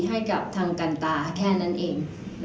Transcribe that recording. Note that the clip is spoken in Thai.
ให้กับทางการตาแค่นั้นเอง